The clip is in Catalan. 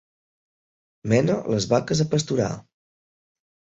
Mena les vaques a pasturar.